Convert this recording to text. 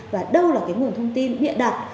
và đâu là cái nguồn thông tin địa đặc